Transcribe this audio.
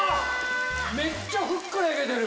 めっちゃふっくら焼けてる！